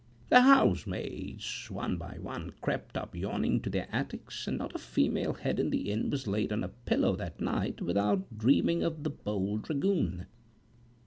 The house maids, one by one, crept up yawning to their attics, and not a female head in the inn was laid on a pillow that night without dreaming of the Bold Dragoon.